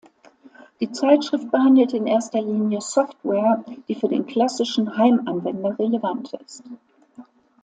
Die Zeitschrift behandelt in erster Linie Software, die für den klassischen Heimanwender relevant ist.